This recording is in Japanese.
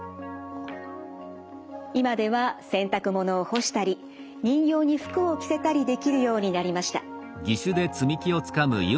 今では洗濯物を干したり人形に服を着せたりできるようになりました。